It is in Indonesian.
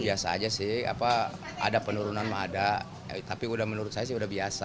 biasa aja sih ada penurunan mah ada tapi menurut saya sih udah biasa